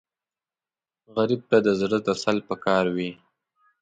غریب ته د زړه تسل پکار وي